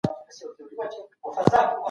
خلګو خپل شته وسایل وکارول.